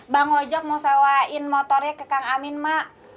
bang ojek mau sawain motornya ke kang amin mak